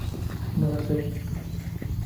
Nueva Serie.